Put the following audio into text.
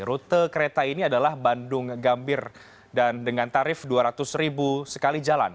rute kereta ini adalah bandung gambir dan dengan tarif dua ratus ribu sekali jalan